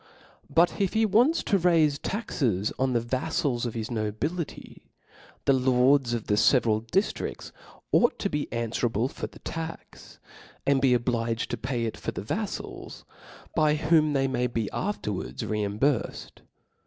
But if he wants to raife ta3^s on the vali&ls of his nobility, the lords of the feveral diftrifls ought to be an fwerable for the tax +, and be obliged to pay it for the vaflals, by whom they may be afterwards re imburfcfd.